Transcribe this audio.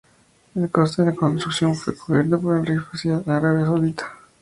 El coste de la construcción fue cubierto por el Rey Faisal de Arabia Saudita.